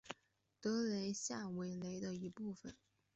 德雷下韦雷的一部分。